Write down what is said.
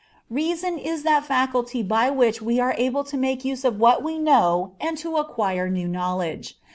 Reason is that faculty by which we are able to make use of what we know and to acquire new knowledge.